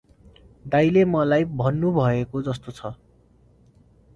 दाइले मलाई भन्नु भएको जस्तो छ ।